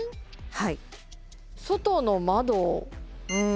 はい。